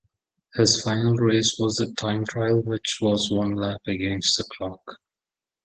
His final race was the time trial which was one lap against the clock.